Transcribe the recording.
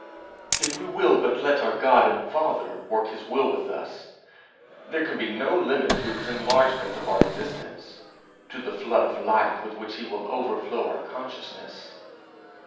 If we will but let our God and Father work his will with us, there can be no limit to his enlargement of our existence, to the flood of life with which he will overflow our consciousness.